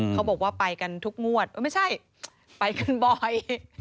เขาบอกว่าไปกันทุกงวดไม่ใช่ไปกันบ่อย